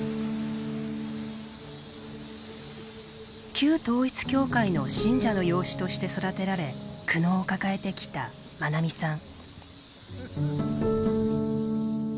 旧統一教会の信者の養子として育てられ苦悩を抱えてきたまなみさん。